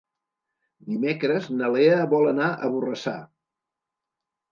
Dimecres na Lea vol anar a Borrassà.